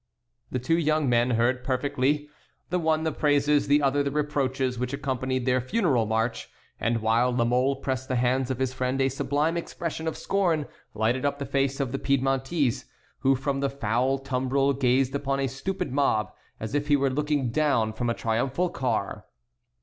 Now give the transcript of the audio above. The two young men heard perfectly, the one the praises, the other the reproaches, which accompanied their funeral march; and while La Mole pressed the hands of his friend a sublime expression of scorn lighted up the face of the Piedmontese, who from the foul tumbril gazed upon the stupid mob as if he were looking down from a triumphal car.